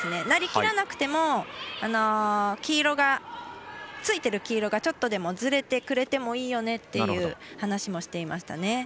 なりきらなくてもついてる黄色がちょっとでもずれてくれてもいいよねっていう話しもしていましたね。